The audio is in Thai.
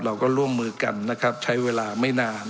ร่วมมือกันนะครับใช้เวลาไม่นาน